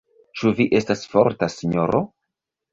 Ĉu vi estas forta, sinjoro?